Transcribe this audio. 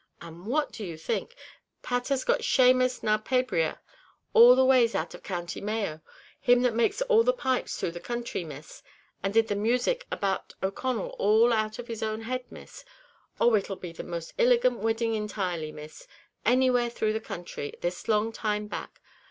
And what do you think! Pat has got Shamus na Pe'bria, all the ways out of County Mayo, him that makes all the pipes through the counthry, Miss; and did the music about O'Connell all out of his own head, Miss. Oh, it 'll be the most illigant wedding intirely, Miss, anywhere through the counthry, this long time back!